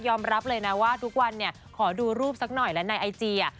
รับเลยนะว่าทุกวันเนี่ยขอดูรูปสักหน่อยและในไอจี